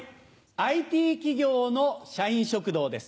ＩＴ企業の社員食堂です。